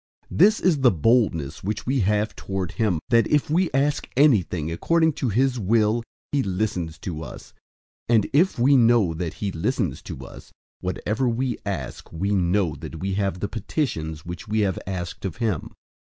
005:014 This is the boldness which we have toward him, that, if we ask anything according to his will, he listens to us. 005:015 And if we know that he listens to us, whatever we ask, we know that we have the petitions which we have asked of him.